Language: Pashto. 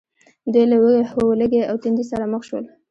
دوی له ولږې او تندې سره مخ شول.